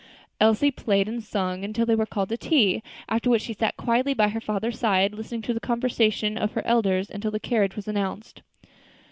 Elsie played and sang until they were called to tea; after which she sat quietly by her father's side, listening to the conversation of her elders until the carriage was announced.